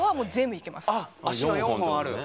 足が４本ある。